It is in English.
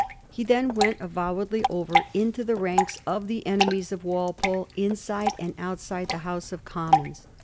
He then went avowedly over into the ranks of the enemies of Wal pole inside and outside the House of Commons.